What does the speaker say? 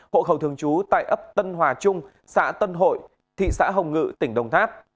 hộ khẩu thường trú tại ấp tân hòa trung xã tân hội thị xã hồng ngự tỉnh đồng tháp